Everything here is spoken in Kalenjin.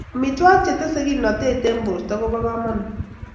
amitwagik chetese kimnatet eng' borto kobo kamangut